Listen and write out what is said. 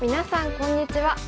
こんにちは。